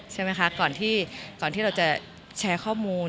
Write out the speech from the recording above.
ใช่ไหมคะก่อนที่เราจะแชร์ข้อมูล